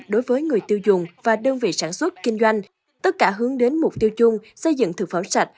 đối với người tiêu dùng và đơn vị sản xuất kinh doanh tất cả hướng đến mục tiêu chung xây dựng thực phẩm sạch